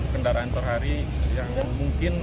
kendaraan per hari yang mungkin